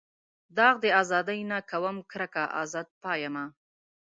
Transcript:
داغ د ازادۍ نه کوم کرکه ازاد پایمه.